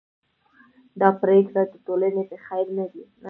دا پرېکړه د ټولنې په خیر نه ده.